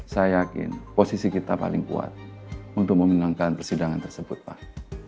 saya yakin posisi kita paling kuat untuk memenangkan persidangan tersebut pak